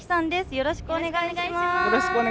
よろしくお願いします。